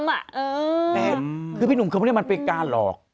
แต่คือพี่หนุ่มคือพวกนี้มันเป็นการหลอก